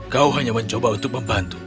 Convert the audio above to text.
kau hanya mencoba untuk membantu